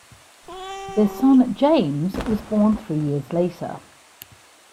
Their son James was born three years later.